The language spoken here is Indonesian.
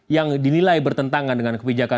yang dinilai bertentangan dengan kebijakan